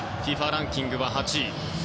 ＦＩＦＡランキングは８位。